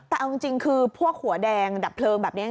แต่เอาจริงคือพวกหัวแดงดับเพลิงแบบนี้